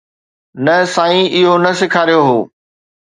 نه سائين اهو نه سيکاريو هو